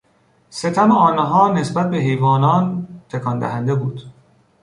ستم آنها نسبت به حیوانات تکان دهنده بود.